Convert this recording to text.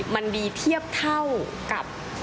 มันดีเทียบเท่ากับ